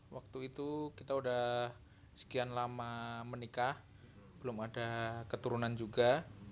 waktu itu kita sudah sekian lama menikah belum ada keturunan juga